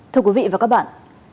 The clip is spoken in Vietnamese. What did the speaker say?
thưa quý vị và các bạn